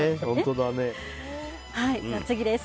次です。